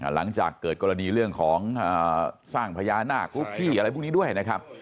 หลังจากเกิดกรณีเรื่องของสร้างพญานาคลุกที่อะไรพวกนี้ด้วยนะครับ